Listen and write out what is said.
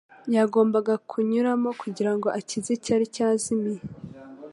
yagombaga kunyuramo kugira ngo akize icyari cyazimiye'.